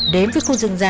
đếm với khu rừng dài này